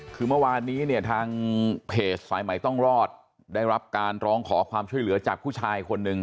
คือเมื่อวานนี้เนี่ยทางเพจสายใหม่ต้องรอดได้รับการร้องขอความช่วยเหลือจากผู้ชายคนหนึ่ง